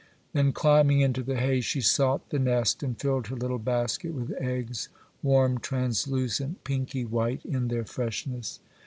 Then, climbing into the hay, she sought the nest and filled her little basket with eggs, warm, translucent, pinky white in their freshness.